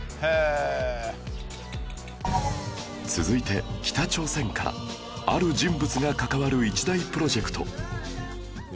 続いて北朝鮮からある人物が関わる一大プロジェクト